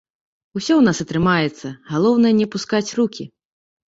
Усё у нас атрымаецца, галоўнае не апускаць рукі.